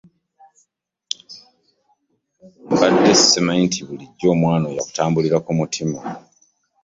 Mbadde simanyi nti bulijjo omwana oyo akutambulira mu mutima.